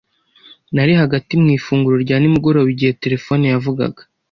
Nari hagati mu ifunguro rya nimugoroba igihe terefone yavugaga.